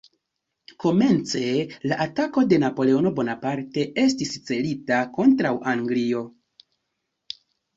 Komence la atako de Napoleono Bonaparte estis celita kontraŭ Anglio.